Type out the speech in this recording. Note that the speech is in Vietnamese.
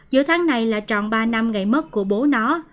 giữa tháng này là tròn ba năm ngày mất của bố nó